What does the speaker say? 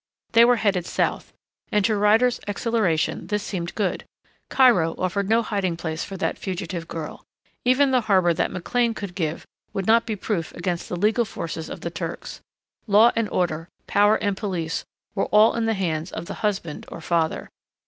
They were headed south. And to Ryder's exhilaration this seemed good. Cairo offered no hiding place for that fugitive girl. Even the harbor that McLean could give would not be proof against the legal forces of the Turks. Law and order, power and police were all in the hands of the husband or father.